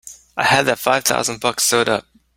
I had that five thousand bucks sewed up!